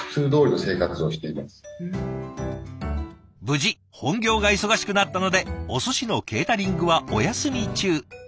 無事本業が忙しくなったのでおすしのケータリングはお休み中。